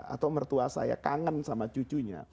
atau mertua saya kangen sama cucunya